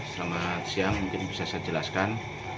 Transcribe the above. selamat siang mungkin bisa saya jelaskan